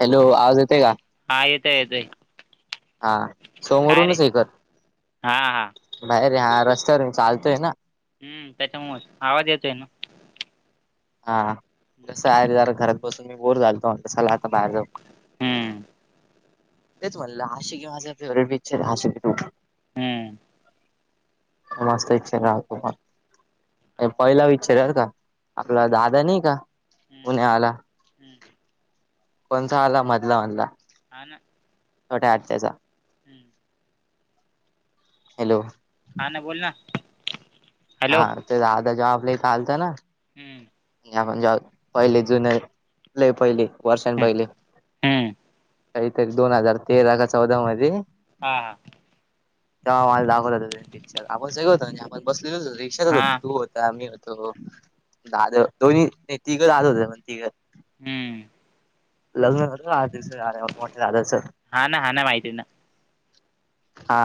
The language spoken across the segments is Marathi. हॅलो आवाज येत का हा येतोय येतोय हा काय रे समोरूनच कत हा हा बाहेरे हा रस्त्यावर मी चालतोय ना हम्म त्याच्यामुळे आवाज येतोय ना हा कसं आहेर जरा घरात बसून मी बोर झाल सालाता बाहेर जाऊ हम्म तेच म्हणलं आशिकी माझं फेवरेट पिक्चर आहे आशिक हम्म मस्त इच्छ राहतो म हाव ना पहिला विच्छारर का आपला दादा नाही का उण्या आला हम् कोणसा आला मधला मधला ह ना छोट्या आ त्याचा हम्म हॅलो हा ना बोल ना हा हॅलो ते दधा जबला चालतं ना हम्म म्हण जे पहिले जुनले पहिले वर्षां हम्म पहिले हम्म काहीतरी दोन हजार तेरा का चौदा मध्ये हां हां तेव्हा मला दाखवलं हो पिक्चर आपण सगळ होत आपण बसलेल रिक्षाच हा तू होत मी होतो दाद दोन्ही तिघं दाद होते पण तिघं हम्म लग्न ठरलं आठ दिवस झाल्यावर मोठ दादाच हा ना हा ना माहिती ना हा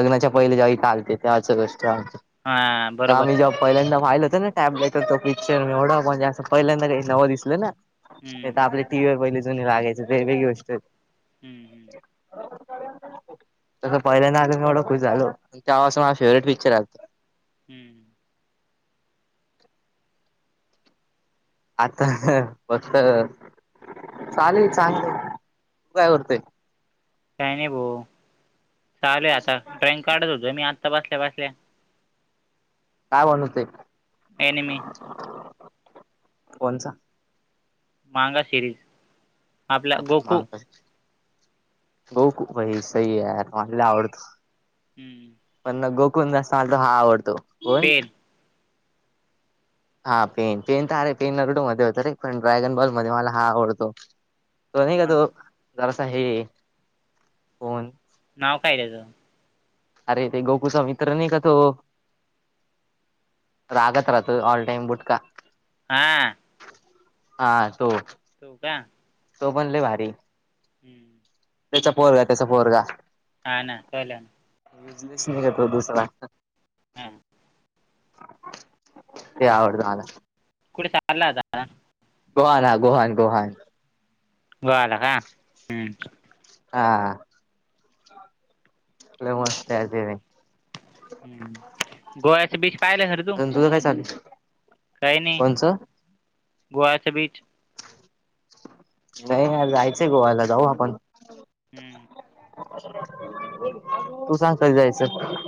हम्म पहिले जेव्हा इथे आलते तेव्हाची गोष्ट सांगतो हा बरोबर त्यामही जाऊ पहिल्यांदा पाहिलं होतं ना टॅबलेट तो पिक्चर एवढा पण जास्त पहिल्यांदा काही नवं दिसलं ना हम्म ते तर आपल्या टी व्ही वर पहिले जुने लागायच ती वेेगळी गोष्ट हो हम्म हम्म बरोबर तसंहिल्या ना आ मी एवढं खु झाल तेव्हा अस म माझ फेवरेट पिक्चर आता तो हम्म आता फक्त् चालूय चांगल तू काय करतेय काही नाही भाो चालू आहे आता ड्रॉइंग काढत होतं मी आत्ता बसल्या बसल्या काय बनावते ऍनिमी कोणचा मांगा सिरीज आपला अच्छ गोकू मग बई सई आहे यार मला लय आवडतो हम्म पण गोकुण जास्त मला तर हा आवडतो कोण पेन हा पेन पेन तर अे पेन नरडो मध्ये होतं रे पण ड्रॅगन बॉल मध्ये मला हा आवडतो तो नाही का पण तो जरासा हे कोन नाव काय आहे त्याच अरे ते गोकुचा मित्र नाही का तो रागत राहतो ऑल टाईम बुट का हा हा तो तो का तो पन लय भारी हम्म त्याचा पोरगा त्याचा पोरगा हा ना पाहिलंय ना विजलीच नाही का तो दुसरा हां ते आवडतं मला कुठे चालला होता आता गोहान हा गोहान गोहान गोहान ला का हम् हा लय मस्त आहे त्यांनी ह गोव्याच बीच पाहिलं का रे तू? अ तुझं काय चाल? काही नाही गोवाचे बीच. नाहीर जायचंय गोवला जाऊ आपण. हम्म तू सांग कधी जायचं?